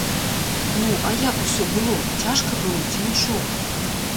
Ну, а як усё было, цяжка было ці нічога?